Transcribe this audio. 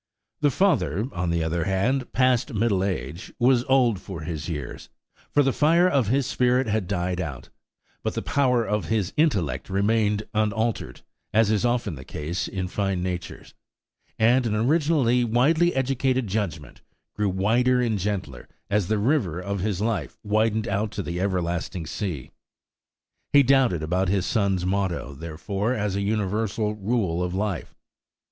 The father, on the other hand, past middle age, was old for his years, for the fire of his spirit had died out; but the power of his intellect remained unaltered, as is often the case in fine natures; and an originally widely educated judgment grew wider and gentler as the river of his life widened out to the everlasting sea. He doubted about his son's motto, therefore, as a universal rule of life.